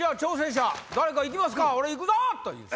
俺行くぞ！という人。